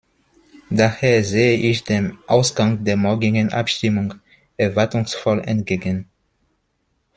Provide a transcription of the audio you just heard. Daher sehe ich dem Ausgang der morgigen Abstimmung erwartungsvoll entgegen.